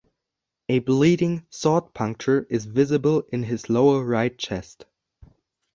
A bleeding sword puncture is visible in his lower right chest.